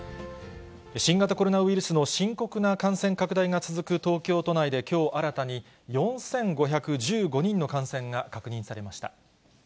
新型コロナウイルスの深刻な感染拡大が続く東京都内で、きょう新たに４５１５人の感染が確認されました。